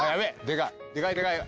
でかい。